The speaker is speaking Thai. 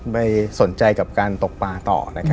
ไปสนใจกับการตกปลาต่อ